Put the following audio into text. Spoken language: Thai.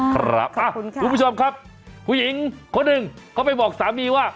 คุณผู้ชมครับผู้หญิงคนหนึ่งเขาไปบอกสามีว่า